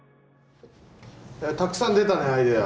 たくさん出たねアイデア。